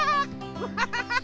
アハハハハ！